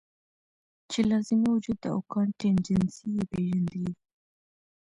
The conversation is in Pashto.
چې لازمي وجود او کانټينجنسي ئې پېژندلي وے -